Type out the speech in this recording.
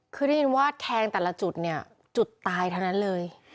คือได้ยินว่าแทงแต่ละจุดเนี่ยจุดตายทั้งนั้นเลย